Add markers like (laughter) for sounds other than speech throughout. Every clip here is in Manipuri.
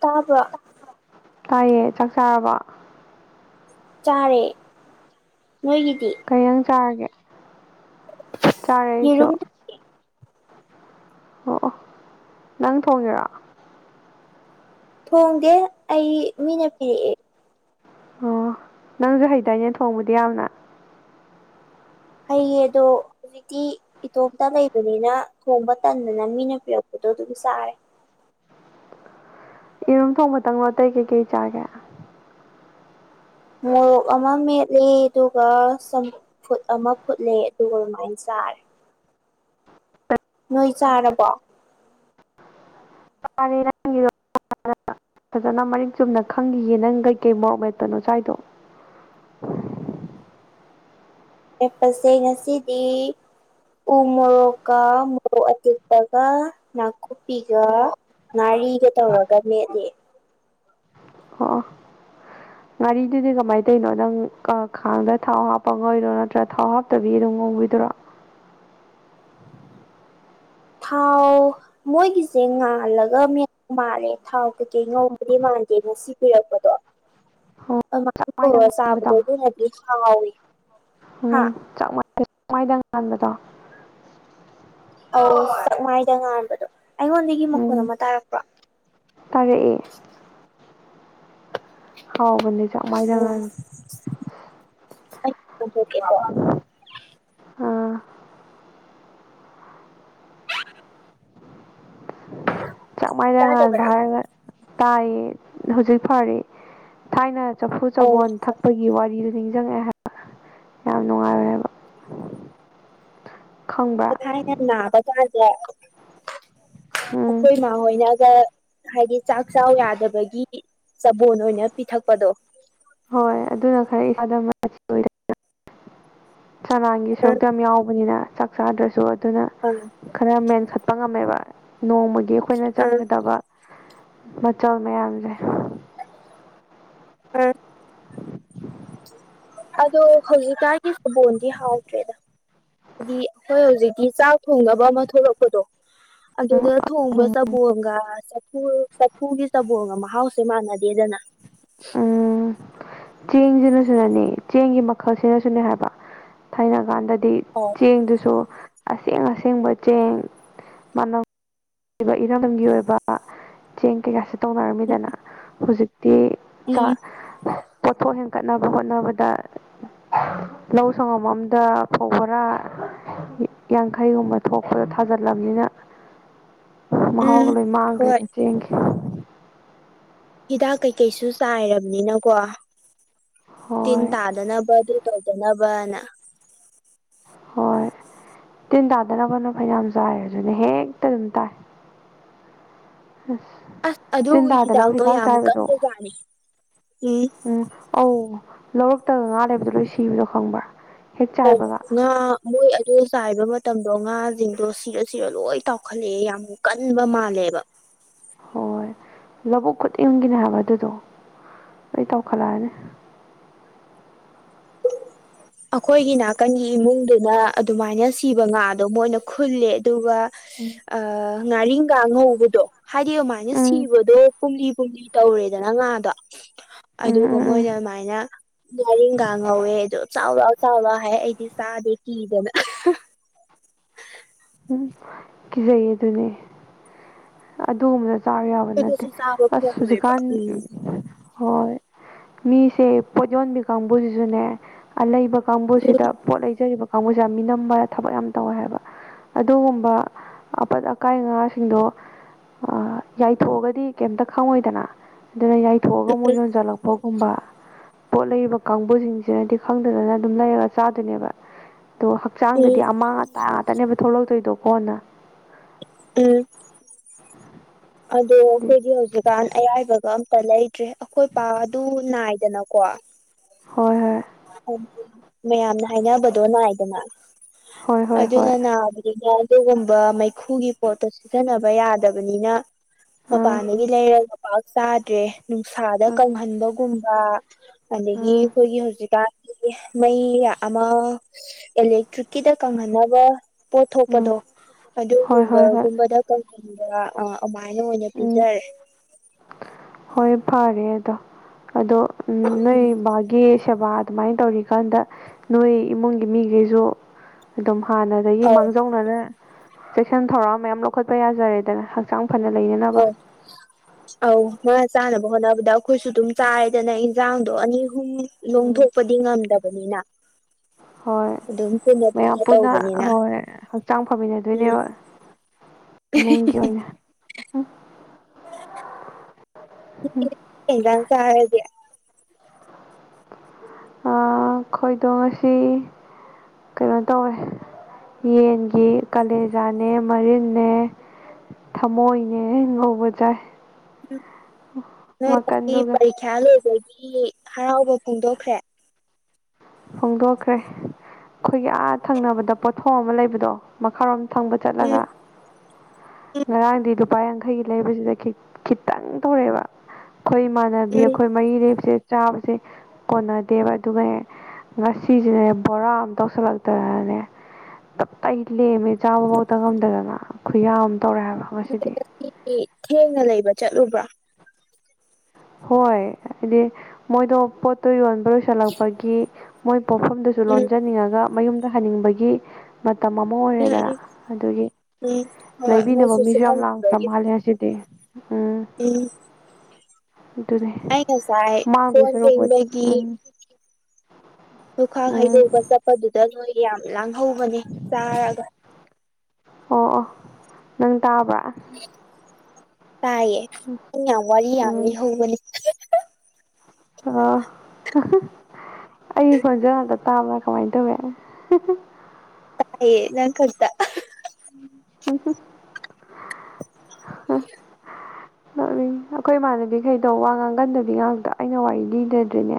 ꯇꯥꯕ꯭ꯔꯥ ꯇꯥꯏꯌꯦ ꯆꯥꯛ ꯆꯥꯔꯕ ꯆꯥꯔꯦ ꯅꯣꯏꯒꯤꯗꯤ ꯀꯩ ꯖꯥꯡ ꯆꯥꯔꯒꯦ ꯆꯥꯔꯦ ꯑꯩꯁꯨ ꯌꯦꯔꯨꯝ ꯑꯣ ꯅꯪ ꯊꯣꯡꯉꯤꯔꯣ ꯊꯣꯡꯗꯦ ꯑꯩ ꯃꯤꯅ ꯄꯤꯔꯛꯑꯦ ꯑꯣ ꯅꯪꯖꯨ ꯍꯩꯗꯥꯏꯅꯦ ꯊꯣꯡꯕꯗꯤ ꯌꯥꯝꯅ ꯍꯩꯌꯦꯗꯣ ꯍꯧꯖꯤꯛꯇꯤ ꯏꯇꯣꯝꯇ ꯂꯩꯕꯅꯤꯅ ꯊꯣꯡꯕ ꯇꯟꯗꯅ ꯃꯤꯅ ꯄꯤꯔꯛꯄꯗꯣ ꯑꯗꯨꯝ ꯆꯥꯔꯦ ꯏꯔꯨꯝꯊꯣꯡꯕꯇꯪꯅꯣ ꯑꯇꯩ ꯀꯩꯀꯩ ꯆꯥꯒꯦ ꯃꯣꯔꯣꯛ ꯑꯃ ꯃꯦꯠꯂꯤ ꯑꯗꯨꯒ ꯆꯝ ꯐꯨꯠ ꯑꯃ ꯐꯨꯠꯂꯦ ꯑꯗꯨꯒ ꯑꯗꯨꯃꯥꯏꯅ ꯆꯥꯔꯦ ꯅꯣꯏ ꯆꯥꯔꯕꯣ ꯆꯥꯔꯦ (unintelligible) ꯐꯖꯅ ꯃꯔꯤꯛ ꯆꯨꯝꯅ ꯈꯪꯒꯤꯒꯦ ꯅꯪ ꯀꯩꯀꯩ ꯃꯣꯔꯣꯛ ꯃꯦꯠꯄꯅꯣ ꯆꯥꯏꯗꯣ ꯂꯦꯞꯄꯁꯦ ꯉꯁꯤꯗꯤ ꯎ ꯃꯣꯔꯣꯛꯀ ꯃꯣꯔꯣꯛ ꯑꯇꯦꯛꯄꯒ ꯅꯥꯀꯨꯞꯄꯤꯒ ꯉꯔꯤꯒ ꯇꯧꯔꯒ ꯃꯦꯠꯂꯦ ꯑꯣ (inaudible) ꯉꯥꯔꯤꯗꯨꯗꯤ ꯀꯃꯥꯏꯅ ꯇꯧꯔꯤꯅꯣ ꯅꯪ ꯈꯥꯡꯗ ꯊꯥꯎ ꯍꯥꯞꯄ ꯉ ꯑꯣꯏꯔꯣ ꯅꯠꯇ꯭ꯔꯒ ꯊꯥꯎ ꯍꯥꯞꯇꯕꯤ ꯑꯗꯨꯝ ꯉꯧꯕꯤꯗꯣꯏꯔꯣ ꯊꯥꯎ ꯃꯣꯏꯒꯤꯁꯦ ꯉꯥꯜꯂꯒ ꯃ ꯃꯥꯜꯂꯦ ꯊꯥꯎ ꯀꯩꯀꯩ ꯉꯧꯕꯗꯤ ꯃꯥꯟꯗꯦ ꯉꯁꯤ ꯄꯤꯔꯛꯄꯗꯣ ꯑꯣ ꯆꯥꯛꯃꯥꯏꯗ ꯉꯥꯟꯕꯗꯣ ꯆꯥꯕꯗꯣ ꯂꯅꯗꯤ ꯍꯥꯎꯋ ꯍꯥ ꯁꯋꯥꯥꯏꯗ ꯉꯥꯟꯕꯗꯣ ꯑꯧ ꯆꯥꯛꯃꯥꯏꯗ ꯉꯥꯟꯕꯗꯣ ꯑꯩꯉꯣꯟꯗꯒꯤ ꯃꯈꯨꯜ ꯑꯃ ꯇꯥꯔꯛꯄ꯭ꯔꯣ ꯇꯥꯔꯛꯏ ꯍꯥꯎꯕꯅꯦ ꯆꯥꯛ ꯃꯥꯏꯅꯉ (unintelligible) ꯑꯥ ꯆꯥꯡ ꯃꯥꯟꯅ ꯉꯥꯟꯕ ꯇꯥꯗꯕ꯭ꯔꯥ ꯍꯥꯏꯔꯒ ꯇꯥꯏꯌꯦ ꯍꯧꯖꯤꯛ ꯐꯔꯤ ꯊꯥꯏꯅ ꯆꯐꯨ ꯑꯧ ꯆꯕꯣꯟ ꯊꯛꯄꯒꯤ ꯋꯥꯔꯤꯗꯨꯣ ꯅꯤꯡꯁꯤꯡꯉꯛꯑꯦ ꯍꯥꯏꯕ ꯌꯥꯝ ꯅꯨꯡꯉꯥꯏꯔꯦꯕ ꯈꯪꯕ꯭ꯔꯥ ꯈꯥꯏꯅ ꯅꯥꯕ ꯀꯥꯟꯗ ꯎꯝ ꯑꯩꯈꯣꯏ ꯏꯃꯥ ꯍꯣꯏꯅꯒ ꯍꯥꯏꯗꯤ ꯆꯥꯛ ꯆ ꯌꯥꯗꯕꯒꯤ ꯆꯕꯣꯟ ꯑꯣꯏꯅ ꯄꯤꯊꯛꯄꯗꯣ ꯍꯣꯏ ꯑꯗꯨꯅ ꯈꯔ ꯏꯁꯥꯗ ꯆꯅꯥꯟꯒꯤ ꯑ ꯁꯔꯨꯛꯇ ꯌꯥꯝ ꯌꯥꯎꯕꯅꯤꯅ ꯆꯥꯛ ꯆꯥꯗ꯭ꯔꯁꯨ ꯑꯗꯨꯅ ꯍꯂꯣ ꯈꯔ ꯃꯦꯟꯈꯠꯄ ꯉꯝꯃꯦꯕ ꯅꯣꯡꯃꯒꯤ ꯑꯩꯈꯣꯏꯅ ꯑ ꯆꯪꯒꯗꯕ ꯃꯆꯜ ꯃꯌꯥꯝꯁꯦ ꯑꯥ ꯑꯗꯣ ꯍꯧꯖꯤꯛꯀꯥꯟꯒꯤ ꯁꯕꯣꯟꯗꯤ ꯍꯥꯎꯗ꯭ꯔꯦꯗ ꯍꯥꯏꯗꯤ ꯑꯩꯈꯣꯏ ꯍꯧꯖꯤꯛꯇꯤ ꯆꯥꯛ ꯊꯣꯡꯅꯕ ꯑꯃ ꯊꯣꯛꯂꯛꯄꯗꯣ ꯑꯗꯨꯗ ꯊꯣꯡꯕ ꯆꯕꯣꯒ ꯆꯐꯨ ꯆꯐꯨꯒꯤ ꯆꯕꯣꯒ ꯃꯍꯥꯎꯁꯦ ꯃꯥꯟꯅꯗꯦꯗꯅ ꯎꯝ ꯆꯦꯡꯁꯤꯅꯁꯨꯅꯅꯦ ꯆꯦꯡꯒꯤ ꯃꯈꯜꯁꯤꯅꯁꯨꯅꯦ ꯍꯥꯏꯕ ꯊꯥꯏꯅ ꯀꯥꯟꯗꯗꯤ ꯑꯣ ꯆꯦꯡꯗꯨꯁꯨ ꯑꯁꯦꯡ ꯑꯁꯦꯡꯕ ꯆꯦꯡ ꯃꯅꯕ ꯂꯩ ꯏꯔꯝꯗꯝꯒꯤ ꯑꯣꯏꯕ ꯆꯦꯡ ꯀꯩꯀꯁꯤ ꯇꯧꯅꯔꯝꯃꯤꯗꯅ ꯍꯧꯖꯤꯛꯇꯤ ꯎꯝ ꯄꯣꯠꯊꯣꯛ ꯍꯦꯟꯀꯠꯅꯕ ꯍꯣꯠꯅꯕꯗ (unintelligible) ꯂꯧ ꯁꯪꯉꯝ ꯑꯝꯗ ꯐꯧ ꯕꯣꯔꯥ ꯌꯥꯡꯈꯩꯒꯨꯝꯕ ꯊꯣꯛꯄꯗꯣ ꯊꯥꯖꯤꯜꯂꯕꯅꯤꯅ ꯎꯝ ꯍꯒꯂꯣꯏ ꯍꯣꯏ ꯃꯥꯥꯡꯒ꯭ꯔꯦꯗ ꯆꯦꯡ ꯍꯤꯗꯥꯛ ꯀꯩꯀꯩꯁꯨ ꯆꯥꯏꯔꯕꯅꯤꯅꯀꯣ ꯇꯤꯟ ꯍꯣꯏ ꯇꯥꯗꯅꯕ ꯗꯣ ꯅꯕꯅꯥ ꯍꯣꯏ ꯇꯤꯟ ꯇꯥꯗꯅꯕꯅ ꯐꯅꯌꯥꯝ ꯆꯥꯏꯔ ꯑꯗꯨꯅꯦ ꯍꯦꯛꯇ ꯑꯗꯨꯝ ꯇꯥꯏ ꯑꯁ ꯇꯤꯟ ꯑꯗꯨꯒꯤ ꯇꯥꯗꯅꯕ ꯍꯤꯗꯥꯛꯇꯣ ꯍꯤꯗꯥꯛ ꯌꯥꯝ ꯆꯥꯏꯕꯗꯣ ꯀꯟꯕꯖꯥꯠꯅꯤ ꯎꯝ ꯑꯧ ꯂꯧꯔꯛꯇꯒ ꯉꯥ ꯂꯩꯕꯗꯣ ꯂꯣꯏ ꯁꯤꯕꯗꯣ ꯈꯪꯕ꯭ꯔꯥ ꯍꯦꯛ ꯆꯥꯏꯕꯒ ꯑꯣ ꯃꯣꯏ ꯑꯗ ꯆꯥꯏꯕ ꯃꯇꯝꯗꯣ ꯉꯥꯁꯤꯡꯗꯣ ꯁꯤꯔ ꯁꯤꯔ ꯂꯣꯏ ꯇꯥꯎꯈꯠꯂꯛꯑꯦ ꯌꯥꯝ ꯀꯟꯕ ꯃꯥꯜꯂꯦꯕ ꯍꯣꯏ ꯂꯧꯕꯨꯛ ꯈꯨꯗꯤꯡꯒꯤꯅꯦ ꯍꯥꯏꯕ ꯑꯗꯨꯗꯣ ꯑꯩ ꯇꯧꯈꯠꯂꯛꯑꯅꯤ ꯑꯩꯈꯣꯏꯒꯤ ꯅꯥꯀꯟꯒꯤ ꯏꯃꯨꯡꯗꯨꯗ ꯑꯗꯨꯃꯥꯏꯅ ꯁꯤꯕ ꯉꯥꯗꯣ ꯃꯣꯏꯅ ꯈꯨꯜꯂꯦ ꯑꯗꯨꯒ ꯎꯝ ꯉꯥꯔꯤꯡꯒꯥ ꯉꯧꯕꯗꯣ ꯍꯥꯏꯗꯤ ꯑꯗꯨꯃꯥꯏꯅ ꯎꯝ ꯁꯤꯕꯗꯣ ꯄꯨꯝꯂꯤ ꯀꯨꯂꯤ ꯇꯧꯔꯦꯗꯅ ꯉꯥꯗꯣ ꯎꯝ ꯑꯗꯨꯒ ꯎꯝ ꯎꯝ ꯃꯣꯏꯅ ꯑꯗꯨꯃꯥꯏꯅ ꯂꯔꯡꯒ ꯉꯧꯋꯦ ꯑꯗꯣ ꯆꯥꯎꯔ ꯆꯥꯎꯔ ꯍꯥꯏ ꯑꯩꯗꯤ ꯆꯥꯗꯦ ꯀꯤꯗꯦꯕ ꯎꯝ ꯀꯤꯖꯩꯌꯦ ꯑꯗꯨꯅꯦ ꯑꯗꯨꯒꯨꯝꯕꯅ ꯆꯥ ꯌꯥꯕ ꯅꯠꯇꯦ ꯑꯩꯈꯣꯏꯗꯁꯨ ꯆꯥꯕ ꯑꯁ ꯐꯪꯉꯣꯏꯕ ꯍꯧꯖꯤꯛꯀꯥꯟ ꯎꯝ ꯍꯣꯏ ꯃꯤꯁꯦ ꯄꯣꯠ ꯌꯣꯟꯕꯤ ꯀꯥꯡꯕꯨꯁꯤꯁꯨꯅꯦ ꯑ ꯂꯩꯩꯕ ꯀꯥꯡꯕꯨꯁꯤꯗ ꯄꯣꯠ ꯂꯩꯖꯔꯤꯕ ꯀꯥꯡꯕꯨꯁꯤꯦ ꯌꯥꯝ ꯃꯤꯅꯝꯕ ꯊꯕꯛ ꯌꯥꯝ ꯇꯧꯋꯦ ꯍꯥꯏꯕ ꯑꯗꯨꯒꯨꯝꯕ ꯑꯄꯠ ꯑꯀꯥꯏ ꯉꯥꯁꯤꯡꯗꯣ ꯌꯥꯏꯊꯣꯛꯑꯒꯗꯤ ꯀꯩꯇ ꯈꯪꯉꯣꯏꯗꯅ ꯑꯗꯨꯅ ꯌꯥꯏꯊꯣꯛꯑꯒ ꯑꯃꯨꯛ ꯌꯣꯟꯁꯤꯜꯂꯛꯄ ꯀꯕ ꯄꯣꯠ ꯂꯩꯔꯤꯕ ꯀꯥꯡꯕꯨꯁꯤꯡꯁꯤꯅꯗꯤ ꯈꯪꯗꯗꯅ ꯑꯗꯨꯝ ꯂꯩꯔꯒ ꯆꯥꯗꯣꯏꯅꯦꯕ ꯑꯗꯣ ꯎꯝ ꯎꯝ ꯍꯛꯆꯥꯡꯗꯗꯤ ꯑꯃꯥꯡ ꯑꯇꯥ ꯉꯥꯛꯇꯅꯦꯕ ꯊꯣꯛꯂꯛꯇꯣꯏꯗꯣꯀꯣꯅ ꯎꯝ ꯑꯗꯣ ꯑꯗꯨ ꯑꯩꯈꯣꯏꯗꯤ ꯍꯧꯖꯤꯛꯀꯥꯟ ꯑꯌꯥꯏꯕꯒ ꯂꯩꯇ꯭ꯔꯦ ꯑꯩꯈꯣꯏ ꯄꯗꯨ ꯅꯥꯏꯗꯅꯀꯣ ꯍꯣꯏ ꯃꯌꯥꯝꯅ ꯍꯥꯏꯅꯕꯗꯣ ꯅꯥꯏꯗꯅ ꯍꯣꯏ ꯍꯣꯏ ꯍꯣꯏ ꯑꯗ ꯍꯣꯏ ꯅꯥꯟ ꯑꯗꯨꯒꯨꯝꯕ ꯃꯩꯈꯨꯒꯤ ꯄꯣꯠꯇꯣ ꯁꯤꯖꯤꯟꯅꯕ ꯌꯥꯗꯕꯅꯤꯅ ꯑꯥ ꯃꯄꯥꯟꯗꯒꯤ ꯂꯩꯔꯒꯒ ꯄꯥꯛ ꯆꯥꯗ꯭ꯔꯦ ꯅꯨꯡꯁꯥꯗ ꯑꯥ ꯀꯪꯍꯟꯗꯧ ꯨꯝꯕ ꯑꯗꯒꯤ ꯑꯥ ꯑꯩꯈꯣꯏꯒꯤ ꯍꯧꯖꯤꯛꯀꯥꯟꯒꯤ ꯃꯩ ꯑꯃ ꯑꯦꯂꯦꯛꯇ꯭ꯔꯤꯛꯀꯤꯗ ꯀꯪꯍꯟꯅꯕ ꯄꯣꯠ ꯎꯝ ꯊꯣꯛꯄꯗꯣ ꯍꯣꯏ ꯍꯣꯏ ꯍꯣꯏ ꯑꯗꯨꯒꯨꯝꯕꯒꯨꯝꯕꯗ ꯀꯕ ꯑ ꯑꯗꯨꯃꯥꯏꯅ ꯑꯣꯏꯅ ꯎꯝ ꯄꯤꯖꯔꯦ ꯍꯣꯏ ꯐꯔꯦ ꯑꯗꯣ ꯑꯗꯣ ꯅꯣꯏ ꯕꯥꯒꯤ ꯁꯦꯕꯥ ꯑꯗꯨꯃꯥꯏꯅ ꯇꯧꯔꯤꯀꯥꯟꯗ ꯅꯣꯏ ꯏꯃꯨꯡꯒꯤ ꯃꯤꯈꯩꯁꯨ ꯑꯗꯨꯝ ꯍꯥꯟꯅꯗꯒꯤ ꯑꯧ ꯃꯥꯡꯖꯧꯅ ꯑꯗꯨꯅ ꯆꯦꯛꯁꯤꯟ ꯊꯧꯔꯥꯡ ꯃꯌꯥꯝ ꯂꯧꯈꯠꯄ ꯌꯥꯖꯔꯦꯗꯅ ꯍꯛꯆꯥꯡ ꯐꯅ ꯂꯩꯅꯅꯕ (unintelligible) ꯑꯧ ꯉꯥ ꯆꯥꯅꯕ ꯍꯣꯠꯅꯕꯗ ꯑꯩꯈꯣꯏꯁꯨ ꯑꯗꯨꯝ ꯆꯥꯏꯗꯅ ꯏꯟꯁꯥꯡꯗꯣ ꯑꯅꯤ ꯑꯍꯨꯝ ꯎꯝ ꯂꯣꯡꯊꯣꯛꯄꯗꯤ ꯉꯝꯗꯕꯅꯤꯅ ꯍꯣꯏ ꯑꯗꯨꯝ ꯄꯨꯟꯅ ꯃꯌꯥꯝ ꯄꯨꯟꯅ ꯇꯧꯕꯅꯤꯅ ꯍꯣꯏ ꯍꯛꯆꯥꯡ ꯎꯝ ꯐꯃꯤꯟꯅꯗꯣꯏꯅꯦꯕ ꯏꯃꯨꯡꯒꯤ ꯑꯣꯏꯅ ꯑꯦꯟꯅ ꯆꯔꯦꯗ ꯈꯣꯏꯗꯣꯡ ꯑꯁꯤ ꯀꯩꯅꯣ ꯇꯧꯋꯦ ꯌꯦꯟꯒꯤ ꯀꯥꯂꯦꯖꯥꯅꯦ ꯃꯔꯤꯟꯅ ꯊꯝꯃꯣꯏꯅꯦ ꯉꯧꯕ ꯆꯥꯏ ꯎꯝ ꯅꯣꯏ ꯉꯤ ꯃꯀꯟꯗꯨꯒ ꯄꯔꯤꯈ꯭ꯌꯥ ꯂꯣꯏꯕꯒꯤ ꯍꯔꯥꯎꯕ ꯐꯣꯡꯗꯣꯛꯈ꯭ꯔꯦ ꯐꯣꯡꯗꯣꯛꯈ꯭ꯔꯦ ꯑꯩꯈꯣꯏꯒꯤ ꯑꯥꯊꯪꯅꯕꯗ ꯄꯣꯠꯊꯣꯡ ꯑꯃ ꯂꯩꯕꯗꯣ ꯃꯈꯥꯔꯣꯝ ꯊꯪꯕ ꯎꯝ ꯆꯠꯂꯒ ꯉꯔꯥꯡꯗꯤ ꯂꯨꯄꯥ ꯌꯥꯡꯈꯩꯒꯤ ꯂꯩꯕꯁꯤꯗ ꯈꯤꯇꯪ ꯇꯧꯔꯛꯑꯦꯕ ꯑꯩꯈꯣꯏ ꯏꯃꯥꯟꯅꯕꯤ ꯑꯩꯈꯣꯏ ꯃꯔꯤꯔꯦꯛꯁꯦ ꯆꯥꯕꯁꯦ ꯀꯣꯟꯅꯗꯦꯕ ꯑꯗꯨꯒ ꯍꯦꯛ ꯉꯁꯤꯁꯤꯅꯦ ꯕꯣꯔꯥ ꯑꯃ ꯇꯧꯁꯤꯜꯂꯛꯇꯅꯅꯦ ꯇꯞ ꯑꯩ ꯂꯦꯝꯃꯦ ꯆꯥꯕꯐꯥꯎꯗ ꯉꯝꯗꯗꯅ ꯈꯨꯌꯥ ꯑꯃ ꯇꯧꯔꯛꯑꯦ ꯍꯥꯏꯕ ꯉꯁꯤꯗꯤ ꯊꯦꯡꯅ ꯂꯩꯕ ꯆꯠꯂꯨꯕ꯭ꯔꯥ ꯍꯣꯏ ꯍꯥꯏꯗꯤ ꯃꯣꯏꯗꯣ ꯄꯣꯠꯇꯣ ꯌꯣꯟꯕ ꯂꯣꯏꯁꯤꯜꯂꯛꯄꯒꯤ ꯃꯣꯏ ꯄꯣꯛꯐꯝꯗꯨ ꯁꯨ ꯎꯝ ꯂꯣꯟꯖꯟꯅꯤꯡꯉꯒ ꯃꯌꯨꯝꯗ ꯍꯟꯅꯤꯡꯕꯒꯤ ꯃꯇꯝ ꯑꯃ ꯎꯝ ꯑꯣꯏꯔꯦꯗꯅ ꯎꯝ ꯑꯗꯨꯒꯤ ꯎꯝ ꯍꯣꯏ ꯂꯩꯕꯤꯅꯕ ꯃꯣꯏꯁꯨ ꯃꯤꯁꯨ ꯌꯥꯝ ꯂꯥꯡꯈ꯭ꯔꯕ ꯁꯨꯠꯍꯟꯅꯤꯡꯕꯒꯤ ꯃꯥꯜꯂꯦ ꯉꯁꯤꯗꯤ ꯎꯝ ꯎꯝ ꯑꯗꯨꯅꯦ ꯑꯩ ꯀꯁꯥꯏ ꯃꯥꯡꯗꯣꯏ ꯀꯣꯟ ꯀ ꯏꯗ ꯁꯔꯨꯛꯄꯨꯗꯤ ꯎꯝ ꯂꯨꯈꯥꯛ ꯎꯝ ꯍꯩꯗꯧꯕ ꯆꯠꯄꯗꯨꯗ ꯅꯣꯏ ꯌꯥꯝ ꯂꯥꯡꯍꯧꯕꯅꯦ ꯆꯥꯔꯒ ꯑꯣ ꯑꯣ ꯅꯪ ꯇꯥꯕ꯭ꯔꯥ ꯇꯥꯏꯑꯌꯦ ꯑꯋꯥꯔꯤ ꯑꯅꯤ ꯎꯝ ꯍ ꯑꯣ ꯑꯩ ꯍꯣꯟꯖꯔꯗ ꯇꯥꯕ꯭ꯔꯥ ꯀꯃꯥꯏꯅ ꯇꯧꯋꯦ ꯍꯥꯏꯌꯦꯦ ꯅꯪ ꯈꯠꯇ ꯍ ꯍꯝ ꯑꯩꯈꯣꯏ ꯏꯃꯥꯟꯅꯕꯤꯈꯩꯗꯣ ꯋꯥ ꯉꯥꯡꯒꯟꯗꯕꯤ ꯉꯥꯛꯇ ꯑꯩꯅ ꯋꯥꯔꯤ ꯂꯤꯗꯗ꯭ꯔꯤꯅꯦ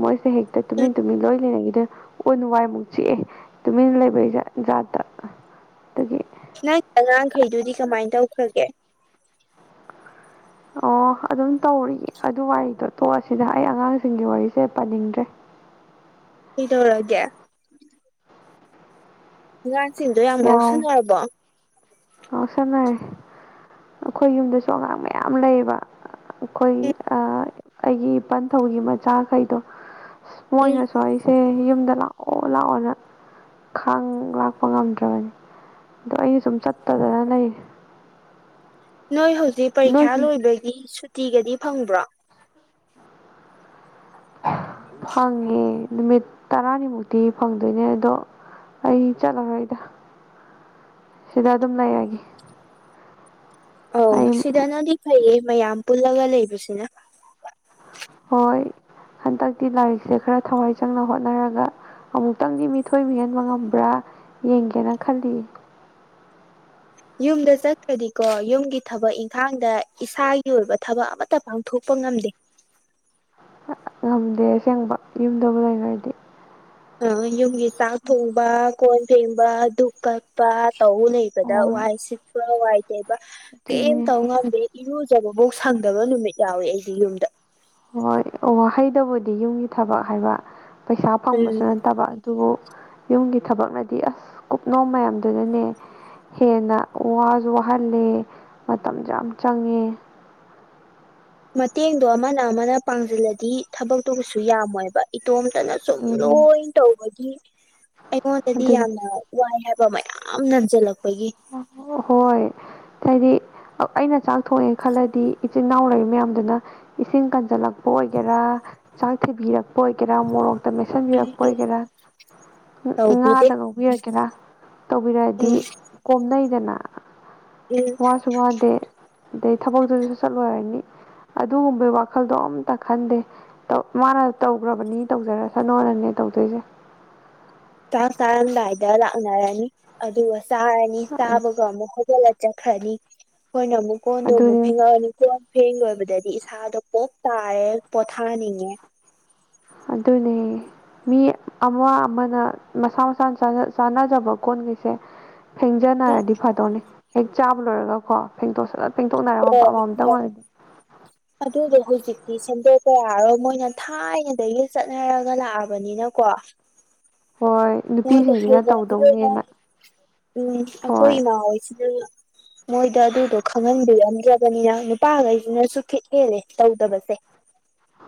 ꯃꯣꯏꯁꯦ ꯍꯦꯛꯛꯇ ꯇꯃꯤ ꯇꯃꯤ ꯂꯣꯏ ꯂꯩ ꯀꯗ ꯑꯣꯏ ꯅꯨꯡ ꯋꯥꯏꯃꯨꯛ ꯆꯤꯛꯑꯦ ꯇꯨꯃꯤꯟꯅ ꯂꯩꯕꯠ ꯖꯥꯠꯇ ꯑꯗꯒꯤ ꯅꯪ ꯑꯉꯥꯡꯈꯩꯗꯨꯗꯤ ꯀꯃꯥꯏꯅ ꯇꯧꯈ꯭ꯔꯒꯦ ꯑꯣ ꯑꯗꯨꯝ ꯇꯧꯔꯤꯌꯦ ꯑꯗꯨ ꯋꯥꯔꯤꯗꯣ ꯇꯣꯛꯑꯁꯤꯗ ꯑꯩ ꯑꯉꯥꯡꯁꯤꯡꯒꯤ ꯋꯥꯔꯤꯁꯦ ꯄꯥꯅꯤꯡꯗ꯭ꯔꯦ ꯁꯤꯗꯧꯔꯒꯌꯥ ꯑꯉꯥꯡꯁꯤꯡꯗꯣ ꯌꯥꯝ ꯉꯥꯎꯁꯟꯅꯔꯕꯣ ꯑ ꯁꯝꯅꯔꯦ ꯑꯩꯈꯣꯏ ꯌꯨꯝꯗꯁꯨ ꯑꯉꯥꯡ ꯃꯌꯥꯝ ꯂꯩꯕ ꯑꯩꯈꯣꯏ ꯎꯝ ꯑꯩꯒꯤ ꯏ ꯄꯟꯊꯧꯒꯤ ꯃꯆꯥꯈꯩꯗꯣ ꯑꯁ ꯎꯝ ꯃꯣꯏꯅꯁꯨ ꯑꯩꯁꯦ ꯌꯨꯝꯗ ꯂꯥꯛꯑꯣ ꯂꯥꯛꯑꯣꯅ ꯈꯪ ꯂꯥꯛꯄ ꯉꯝꯗꯦ ꯑꯗꯣ ꯑꯩ ꯁꯨꯝ ꯆꯠꯇꯗꯅ ꯂꯩ ꯅꯣꯏ ꯍꯧꯖꯤꯛ ꯄꯔꯤꯈ꯭ꯌꯥ ꯅꯣꯏꯁꯨ ꯂꯣꯏꯕꯒꯤ ꯁꯨꯇꯤꯒꯗꯤ ꯐꯪꯕ꯭ꯔꯣ ꯍꯥꯡꯉꯦ ꯅꯨꯃꯤꯠ ꯇꯔꯥꯅꯤꯃꯨꯛꯇꯤ ꯐꯪꯗꯣꯏꯅꯦ ꯑꯗꯣ ꯑꯩ ꯆꯠꯂꯣꯏꯗ ꯁꯤꯗ ꯑꯗꯨꯝ ꯂꯩꯔꯒꯦ ꯑꯧ ꯑꯩ ꯁꯤꯗꯅꯗꯤ ꯐꯩꯌꯦ ꯃꯌꯥꯝ ꯄꯨꯜꯂꯒ ꯂꯩꯕꯁꯤꯅ ꯍꯣꯏ ꯍꯟꯗꯛꯇꯤ ꯂꯥꯏꯔꯤꯛꯁꯦ ꯈꯔ ꯊꯋꯥꯏ ꯆꯪꯅ ꯍꯣꯠꯅꯔꯒ ꯑꯃꯨꯛꯇꯪꯗꯤ ꯃꯤꯊꯣꯏ ꯃꯤꯍꯟꯕ ꯉꯝꯕ꯭ꯔꯥ ꯌꯦꯡꯒꯦꯅ ꯈꯜꯂꯤ ꯌꯨꯝꯗ ꯆꯠꯇꯈ꯭ꯔꯗꯤꯀꯣ ꯌꯨꯝꯒꯤ ꯊꯕꯛ ꯏꯪꯈꯥꯡꯗ ꯏꯁꯥꯒꯤ ꯑꯣꯏꯕ ꯊꯕꯛ ꯑꯃꯠꯇ ꯄꯥꯡꯊꯣꯛꯄ ꯉꯝꯗꯦ ꯉꯝꯗꯦ ꯑꯁꯦꯡꯕ ꯌꯨꯝꯗꯕꯨ ꯂꯩꯅꯗꯤ ꯑ ꯌꯨꯝꯒꯤ ꯆꯥꯛ ꯊꯣꯡꯕ ꯀꯣꯟ ꯊꯦꯡꯕ ꯙꯨꯞꯛ ꯀꯛꯄ ꯇꯧꯧꯕꯅꯩ ꯕꯗ ꯍꯣꯏ ꯋꯥꯏ ꯁꯤꯠꯄ ꯋꯥꯏ ꯇꯩꯕ ꯑꯗꯨꯅꯦ ꯀꯩꯝꯇꯧ ꯉꯝꯗ ꯏꯔꯨꯖꯕꯐꯧ ꯁꯪꯗꯕ ꯅꯨꯃꯤꯠ ꯌꯥꯎꯏꯤ ꯑꯩꯁꯦ ꯌꯨꯝꯗ ꯍꯣꯏ ꯋꯥꯍꯩꯗꯕꯨꯗꯤ ꯌꯨꯝꯒꯤ ꯊꯕꯛ ꯍꯥꯏꯕ ꯄꯩꯁꯥ ꯐꯪꯕꯁꯨ ꯎꯝ ꯅꯠꯇꯕ ꯑꯗꯨꯕꯨ ꯌꯨꯝꯒꯤ ꯊꯕꯛꯅꯗꯤ ꯑꯁ ꯀꯨꯞꯅꯣ ꯃꯌꯥꯝꯗꯨꯅꯅꯦ ꯍꯦꯟꯅ ꯋꯥꯁꯨ ꯋꯥꯍꯜꯂꯦ ꯃꯇꯝꯁꯨ ꯌꯥꯝ ꯆꯪꯉꯦ ꯃꯇꯦꯡꯗꯣ ꯑꯃꯅ ꯑꯃꯅ ꯄꯥꯡꯁꯤꯜꯂꯗꯤ ꯊꯕꯛꯇꯨꯕꯨꯁꯨ ꯌꯥꯝꯃꯣꯏꯕ ꯏꯇꯣꯝꯇꯅ ꯁꯨꯝ ꯑꯗꯨꯅꯤ ꯂꯣꯏꯅ ꯇꯧꯕꯒꯤ ꯑꯩꯉꯣꯟꯗꯗꯤ ꯑꯗꯨꯅꯤ ꯌꯥꯝꯅ ꯋꯥꯏ ꯍꯥꯏꯕ ꯃꯌꯥꯝ ꯅꯟꯁꯤꯜꯂꯛꯄꯒꯤ ꯍꯣꯏ ꯇꯗꯤ ꯑꯩꯅ ꯆꯥꯛ ꯊꯣꯡꯉꯦ ꯈꯜꯂꯗꯤ ꯏꯆꯤꯟꯜ ꯏꯅꯥꯎ ꯂꯩ ꯃꯌꯥꯝꯗꯨꯅ ꯏꯁꯤꯡ ꯀꯟꯁꯤꯜꯂꯛꯄ ꯑꯣꯏꯒꯦꯔꯥ ꯏꯟꯁꯥꯡ ꯊꯩꯕꯤꯔꯛꯄ ꯑꯣꯏꯒꯦꯔꯥ ꯃꯣꯔꯣꯛ ꯎꯝ ꯃꯠꯁꯤꯟꯕꯤꯔꯛꯄ ꯎꯝ ꯑꯣꯏꯒꯦꯔꯥ ꯇꯧꯕꯤꯗꯦ ꯉꯥꯗ ꯉꯧꯕꯤꯔꯛꯀꯦꯔꯥ ꯇꯧꯕꯤꯔꯛꯑꯗꯤ ꯎꯝ ꯀꯣꯝꯅꯩꯗꯅ ꯎꯝ ꯋꯥꯁꯨ ꯋꯥꯗꯦ ꯑꯗꯩ ꯊꯕꯛꯇꯨꯁꯨꯁꯨ ꯆꯠꯂꯣꯏꯔꯅꯤ ꯑꯗꯨꯒꯨꯝꯕꯒꯤ ꯋꯥꯈꯜꯗꯣ ꯑꯝꯇ ꯈꯟꯗꯦ ꯧ ꯃꯥꯅ ꯇꯧꯈ꯭ꯔꯕꯅꯤ ꯇꯧꯖꯔꯁꯅꯣꯅꯅꯦ ꯇꯧꯗꯣꯏꯁꯦ ꯆꯥꯛ ꯆꯥꯔꯝꯗꯥꯏꯗ ꯂꯥꯛꯅꯔꯅꯤ ꯑꯗꯨꯒ ꯆꯥꯔꯅꯤ ꯆꯥꯕꯒ ꯑꯃꯨꯛ ꯆꯠꯂ ꯆꯠꯈ꯭ꯔꯅꯤ ꯑꯩꯈꯣꯏꯅ ꯑꯃꯨꯛ ꯀꯣꯟꯗꯣ ꯑꯃꯨꯛ ꯑꯗꯨꯅꯦ ꯐꯦꯡꯉꯛꯑꯅꯤ ꯀꯣꯟ ꯐꯦꯡ ꯂꯣꯏꯕꯗꯗꯤ ꯏꯁꯥꯗꯣ ꯀꯣꯞ ꯇꯥꯔꯦ ꯄꯣꯊꯥꯅꯤꯡꯉꯦ ꯑꯗꯨꯅꯦ ꯃꯤ ꯑꯃ ꯑꯃꯅ ꯃꯁꯥ ꯃꯁꯥꯅ ꯆꯥꯟꯅꯖꯕ ꯀꯣꯟꯈꯩꯁꯦ ꯐꯦꯡꯖꯅꯔꯗꯤ ꯐꯥꯗꯣꯛꯅꯤ ꯍꯦꯛ ꯆꯥꯕ ꯂꯣꯏꯔꯒꯀꯣ ꯐꯦꯡꯇꯣꯛ ꯁꯖꯠ ꯐꯦꯡꯇꯣꯛꯅꯔ ꯃ ꯄꯝꯕ ꯑꯝꯇꯪ ꯑꯣꯏꯔꯗꯤ ꯑꯗꯨꯗꯣ ꯍꯧꯖꯤꯛꯇꯤ ꯁꯦꯝꯗꯣꯛꯄ ꯌꯥꯔꯣꯏ ꯃꯣꯏꯅ ꯊꯥꯏꯅꯗꯒꯤ ꯆꯠꯅꯔꯒ ꯂꯥꯛꯑꯕ ꯕꯅꯤꯅ ꯀꯣ ꯍꯣꯏ ꯃꯣꯏꯗ ꯅꯨꯄꯤꯁꯤꯡꯁꯤꯅ ꯐꯩꯔ ꯑꯗꯨ ꯑꯣꯏꯅ ꯇꯧꯗꯧꯅꯦꯅ ꯎꯝ ꯑꯩꯈꯣꯏ ꯍꯣꯏ ꯏꯃꯥ ꯍꯣꯏꯁꯤꯅ ꯃꯣꯏꯗ ꯑꯗꯨꯗꯣ ꯈꯪꯍꯟꯕꯤꯔꯝꯗ꯭ꯔꯕꯅꯤꯅ ꯅꯨꯄꯥꯈꯩꯁꯤꯅꯁꯨ ꯈꯤꯠꯍꯦꯜꯂꯦ ꯇꯧꯗꯕꯁꯦ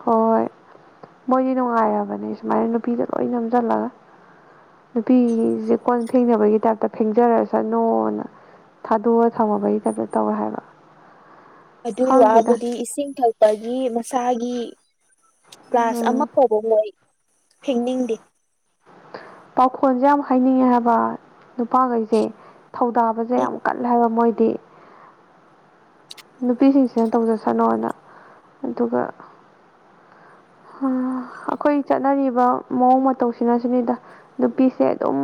ꯍꯣꯏ ꯍꯣꯏ ꯃꯣꯏꯗꯤ ꯅꯨꯡꯉꯥꯏꯔꯕꯅꯦ ꯁꯨꯃꯥꯏꯅ ꯅꯨꯄꯤꯗ ꯂꯣꯏ ꯅꯝꯁꯤꯜꯂꯒ ꯅꯨꯄꯤꯁꯦ ꯀꯣꯟ ꯐꯦꯡꯅꯕꯒꯤ ꯇꯥꯏꯞꯇ ꯐꯦꯡꯖꯔꯁꯠꯅꯣꯅ ꯊꯥꯗꯣꯛꯑ ꯊꯝꯃꯕꯒꯤ ꯇꯥꯏꯞꯇ ꯇꯧꯋꯦ ꯍꯥꯏꯕ ꯑꯗꯨꯒꯤ ꯈꯪꯗꯦꯗ ꯋꯥꯕꯨꯗꯤ ꯏꯁꯤꯡ ꯊꯛꯄꯒꯤ ꯃꯁꯥꯒꯤ ꯀ꯭ꯂꯥꯁ ꯎꯝ ꯑꯃ ꯐꯥꯎꯕ ꯃꯣꯏ ꯊꯦꯡꯅꯤꯡꯗꯦ ꯄꯥꯎꯈꯣꯟꯁꯦ ꯌꯥꯝ ꯍꯥꯏꯅꯤꯡꯉꯦ ꯍꯥꯏꯕ ꯅꯨꯄꯥꯈꯩꯁꯦ ꯊꯧꯗꯥꯕꯁꯦ ꯌꯥꯝ ꯀꯜꯂꯦ ꯍꯥꯏꯕ ꯃꯣꯏꯗꯤ ꯅꯨꯄꯤꯁꯤꯡꯁꯤꯅ ꯇꯧꯖꯁꯅꯣꯅ ꯑꯗꯨꯒ ꯎꯝ ꯑꯩꯈꯣꯏ ꯆꯠꯅꯔꯤꯕ ꯃꯑꯣꯡ ꯃꯇꯧꯁꯤꯅꯁꯨꯅꯤꯗ ꯅꯨꯄꯤꯁꯦ ꯑꯗꯨꯝ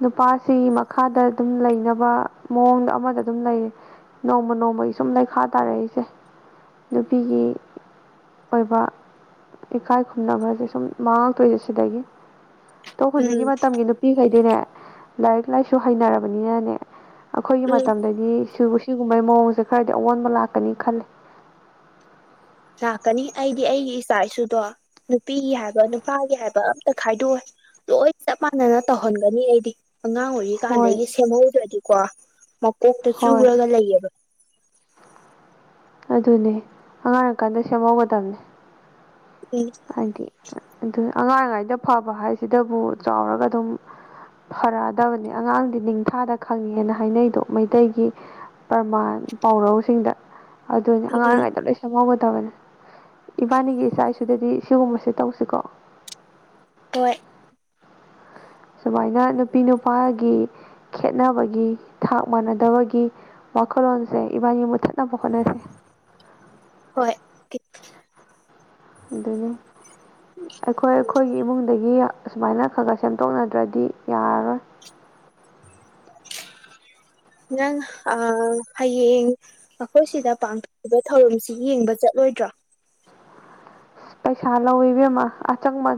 ꯅꯨꯄꯥꯁꯤ ꯃꯈꯥꯗ ꯑꯗꯨꯝ ꯂꯩꯅꯕ ꯃꯑꯣꯡꯗ ꯑꯃꯗ ꯑꯗꯨꯝ ꯂꯩꯔ ꯅꯣꯡꯃ ꯅꯣꯡꯃꯒꯤ ꯁꯨꯝ ꯂꯩꯈꯥ ꯇꯥꯔꯛꯏꯁꯦ ꯅꯨꯄꯤꯒꯤ ꯑꯣꯏꯕ ꯏꯀꯥꯏ ꯈꯨꯝꯅꯕꯁꯦ ꯁꯨꯝ ꯃꯥꯡꯉꯛꯇꯣꯏꯁꯦ ꯁꯤꯗꯒꯤ ꯑꯣ ꯍꯧꯖꯤꯛꯀꯤ ꯎꯝ ꯃꯇꯝꯒꯤ ꯅꯨꯄꯤꯈꯩꯗꯤꯅꯦ ꯂꯥꯏꯔꯤꯛ ꯂꯥꯏꯁꯨ ꯍꯩꯅꯔꯕꯅꯤꯅꯅꯦ ꯑꯩꯈꯣꯏꯒꯤ ꯎꯝ ꯃꯇꯝꯗꯗꯤ ꯁꯤꯒꯨꯝꯕꯩ ꯃꯑꯣꯡꯁꯦ ꯈꯔꯗꯤ ꯑꯑꯣꯟꯕ ꯂꯥꯛꯀꯅꯤ ꯈꯜꯂꯦ ꯂꯥꯛꯀꯅꯤ ꯑꯩꯗꯤ ꯑꯩꯒꯤ ꯏꯆꯥ ꯏꯁꯨꯗꯣ ꯅꯨꯄꯤꯒꯤ ꯍꯥꯏꯕ ꯅꯨꯄꯥꯒꯤ ꯍꯥꯏꯕ ꯑꯝꯇ ꯈꯥꯏꯗꯣꯛꯑꯦ ꯂꯣꯏ ꯆꯞ ꯃꯥꯟꯅꯅ ꯇꯧꯍꯟꯒꯅꯤ ꯑꯩꯗꯤ ꯑꯉꯥꯡ ꯍꯣꯏ ꯑꯣꯏꯔꯤꯀꯥꯟꯗꯒꯤ ꯁꯦꯝꯍꯧꯗ꯭ꯔꯗꯤꯀꯣ ꯃꯀꯣꯛꯇ ꯍꯣꯏ ꯆꯨꯔꯒ ꯂꯩꯌꯦꯕ ꯑꯗꯨꯅꯦ ꯑꯉꯥꯡꯔꯀꯥꯟꯗ ꯁꯦꯝꯍꯧꯒꯗꯕꯅꯦ ꯎꯝ ꯍꯥꯏꯗꯤ ꯑꯗꯨ ꯑꯉꯥꯡꯉꯩꯗ ꯐꯕ ꯍꯥꯏꯁꯤꯗꯕꯨ ꯆꯥꯎꯔꯒ ꯑꯗꯨꯝ ꯐꯔꯛꯑꯗꯕꯅꯤ ꯑꯉꯥꯡꯗꯤ ꯅꯤꯡꯊꯥꯗ ꯈꯪꯉꯦꯅ ꯍꯥꯏꯅꯩꯗꯣ ꯃꯩꯇꯩꯒꯤ ꯄ꯭ꯔꯃꯥꯟ ꯄꯥꯎꯔꯧꯁꯤꯡꯗ ꯑꯗꯨꯅꯤ ꯎꯝ ꯑꯉꯥꯡꯉꯩꯗ ꯂꯣꯏ ꯁꯦꯝꯪꯍꯧꯒꯗꯕꯅꯦ ꯏꯕꯥꯅꯤꯒꯤ ꯏꯆꯥ ꯏꯁꯨꯗꯗꯤ ꯁꯤꯒꯨꯝꯕꯕꯁꯤꯦ ꯇꯧꯁꯤꯀꯣ ꯑꯩꯣꯏ ꯁꯨꯃꯥꯏꯅ ꯅꯨꯄꯤ ꯅꯨꯄꯥꯒꯤ ꯈꯦꯠꯅꯕꯒꯤ ꯊꯥꯛ ꯃꯥꯟꯅꯗꯕꯒꯤ ꯋꯥꯈꯜꯂꯣꯟꯁꯦ ꯏꯕꯥꯒꯤ ꯃꯨꯠꯊꯠꯅꯕ ꯍꯣꯠꯅꯁꯩ ꯍꯣꯏ ꯑꯗꯨꯗꯒꯤ ꯑꯩꯈꯣꯏ ꯑꯩꯈꯣꯏꯒꯤ ꯏꯃꯨꯡꯗꯒꯤ ꯑꯁꯨꯃꯥꯏꯅ ꯈꯔ ꯈꯔ ꯁꯦꯝꯗꯣꯛꯅꯗ꯭ꯔꯗꯤ ꯌꯥꯔꯔꯣꯏ ꯅꯪ ꯑ ꯍꯌꯦꯡ ꯑꯩꯈꯣꯏ ꯁꯤꯗ ꯄꯥꯡꯊꯣꯛꯕ ꯊꯧꯔꯝꯁꯤ ꯌꯦꯡꯕ ꯆꯠꯂꯣꯏꯗ꯭ꯔꯥ ꯑꯁ ꯄꯩꯁꯥ ꯂꯧꯏꯤꯕꯦꯝꯃ ꯑꯆꯪꯕ